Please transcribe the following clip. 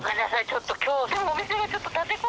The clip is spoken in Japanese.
ちょっと今日。